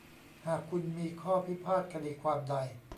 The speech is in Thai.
หากคุณมีข้อพิพาทคดีความใด